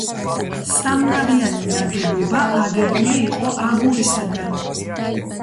სამნავიანი ნაგებობა აგებული იყო აგურისაგან.